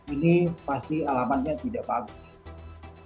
ini pasti alamatnya tidak bagus